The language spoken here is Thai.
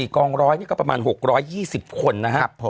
กองร้อยนี่ก็ประมาณ๖๒๐คนนะครับ